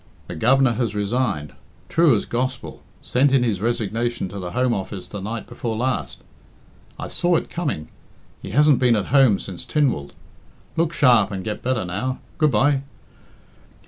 the Governor has resigned! True as gospel. Sent in his resignation to the Home Office the night before last. I saw it coming. He hasn't been at home since Tynwald. Look sharp and get better now. Good bye!"